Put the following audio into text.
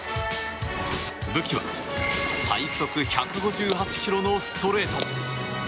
武器は最速１５８キロのストレート。